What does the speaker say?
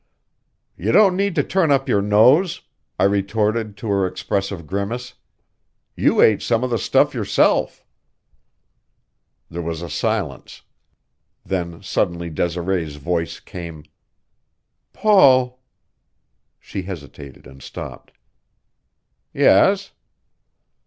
"You don't need to turn up your nose," I retorted to her expressive grimace; "you ate some of the stuff yourself." There was a silence; then suddenly Desiree's voice came: "Paul " She hesitated and stopped. "Yes."